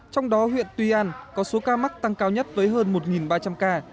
trong đó huyện tuy an có số ca mắc tăng cao nhất với hơn một ba trăm linh ca